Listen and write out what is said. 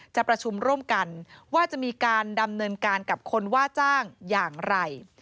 จะประชุมร่วมกันว่าจะมีการดำเนินการกับคนว่าจ้างอย่างไร